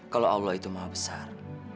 kalau allah itu maha besar